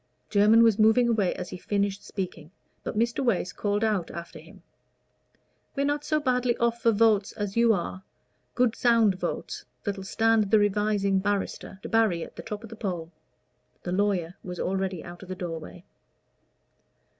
Jermyn was moving away as he finished speaking, but Mr. Wace called out after him, "We're not so badly off for votes as you are good sound votes, that'll stand the Revising Barrister. Debarry at the top of the poll!" The lawyer was already out of the doorway.